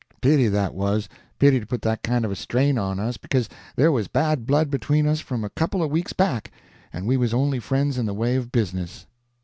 Pity, that was; pity to put that kind of a strain on us, because there was bad blood between us from a couple of weeks back, and we was only friends in the way of business.